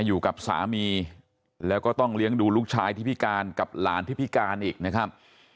อยู่กับสามีแล้วก็ต้องเลี้ยงดูลูกชายที่พิการกับหลานที่พิการอีกนะครับ